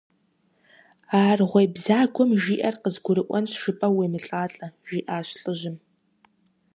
– А аргъуей бзагуэм жиӀэр къызгурыӀуэнщ жыпӀэу уемылӀалӀэ, – жиӀащ лӀыжьым.